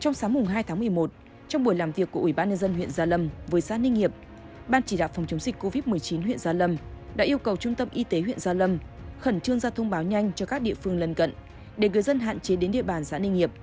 trong sáng hai tháng một mươi một trong buổi làm việc của ủy ban nhân dân huyện gia lâm với xã ninh hiệp ban chỉ đạo phòng chống dịch covid một mươi chín huyện gia lâm đã yêu cầu trung tâm y tế huyện gia lâm khẩn trương ra thông báo nhanh cho các địa phương lân cận để người dân hạn chế đến địa bàn xã ninh hiệp